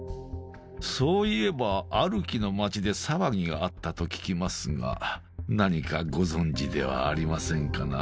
そういえばアルキの街で騒ぎがあったと聞きますが何かご存じではありませんかな？